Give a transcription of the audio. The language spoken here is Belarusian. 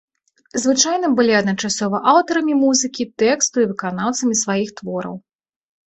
Звычайна былі адначасова аўтарамі музыкі, тэксту і выканаўцамі сваіх твораў.